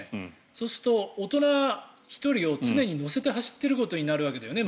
そうすると大人１人を常に乗せて走ってることになるわけだよね。